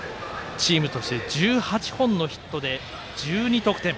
チームとして１８本のヒットで１２得点。